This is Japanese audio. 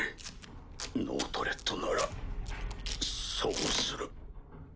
ノートレットならそうする。